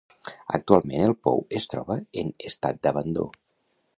Actualment el pou es troba en estat d'abandó.